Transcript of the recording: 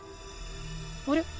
あれ？